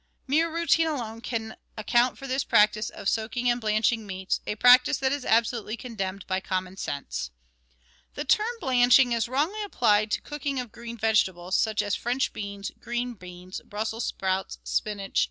Mere routine alone can account for this practice of soaking LEADING CULINARY OPERATIONS 131 and blanching meats — a practice that is absolutely condemned by common sense. The term "blanching" is wrongly applied to the cooking of green vegetables, such as French beans, green peas, Brussels sprouts, spinach, &c.